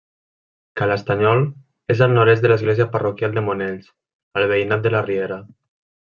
Ca l'Estanyol és al nord-est de l'església parroquial de Monells, al veïnat de la Riera.